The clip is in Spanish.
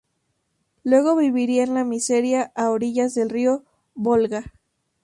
Luego viviría en la miseria a orillas del río Volga.